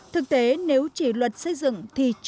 thực tế nếu chỉ luật xây dựng thì chưa giải quyết